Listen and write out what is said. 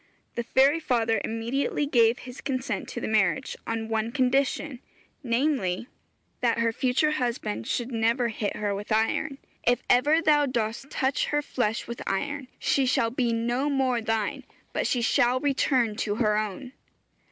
The fairy father immediately gave his consent to the marriage, on one condition, namely, that her future husband should never hit her with iron. 'If ever thou dost touch her flesh with iron she shall be no more thine, but she shall return to her own.'